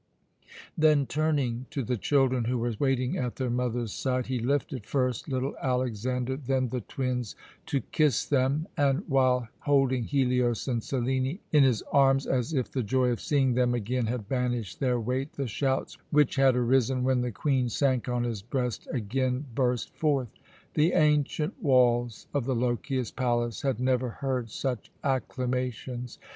Then, turning to the children, who were waiting at their mother's side, he lifted first little Alexander, then the twins, to kiss them; and, while holding Helios and Selene in his arms, as if the joy of seeing them again had banished their weight, the shouts which had arisen when the Queen sank on his breast again burst forth. The ancient walls of the Lochias palace had never heard such acclamations.